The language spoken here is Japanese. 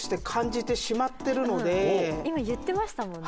今言ってましたもんね。